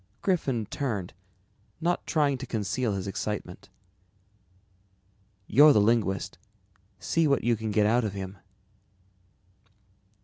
Griffin turned, not trying to conceal his excitement. "You're the linguist, see what you can get out of him."